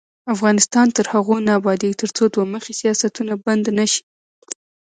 افغانستان تر هغو نه ابادیږي، ترڅو دوه مخي سیاستونه بند نشي.